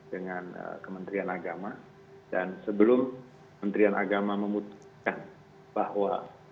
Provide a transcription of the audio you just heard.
dengan kementerian agama dan sebelum kementerian agama memutuskan bahwa